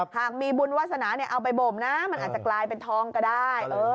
หากมีบุญวาสนาเอาไปบ่มนะมันอาจจะกลายเป็นทองก็ได้